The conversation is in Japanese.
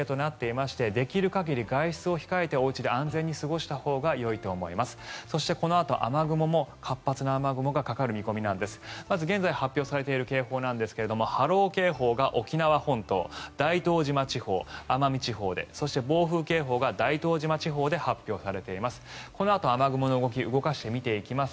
まず現在発表されている警報ですが波浪警報が沖縄本島、大東島地方奄美地方でそして、暴風警報が大東島地方で発表されています。